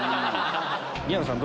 宮野さん